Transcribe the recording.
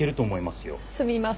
すみません